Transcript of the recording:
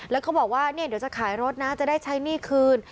แล้วก็บอกว่าเดี๋ยวจะขายรถนะจะได้ใช้หนี้คืน